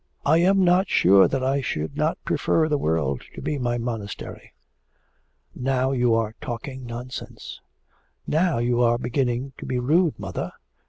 'I am not sure that I should not prefer the world to be my monastery.' 'Now you are talking nonsense.' 'Now you are beginning to be rude, mother.